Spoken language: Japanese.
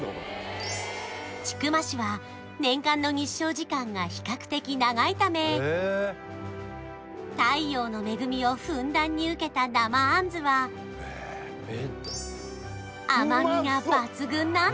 千曲市は年間の日照時間が比較的長いため太陽の恵みをふんだんに受けた生あんずはそんなへえ